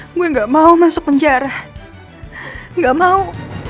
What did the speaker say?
ehh gua gak mau masuk penjara gak mau